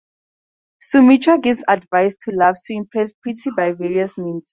Sumitra gives advice to Luv to impress Preeti by various means.